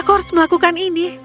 aku harus melakukan itu